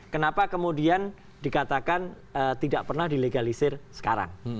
kenapa kemudian dikatakan tidak pernah dilegalisir sekarang